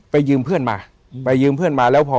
ยืมเพื่อนมาไปยืมเพื่อนมาแล้วพอ